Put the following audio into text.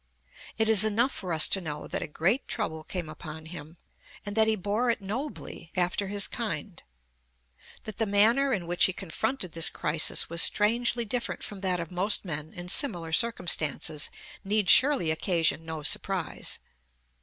It is enough for us to know that a great trouble came upon him, and that he bore it nobly after his kind. That the manner in which he confronted this crisis was strangely different from that of most men in similar circumstances need surely occasion no surprise.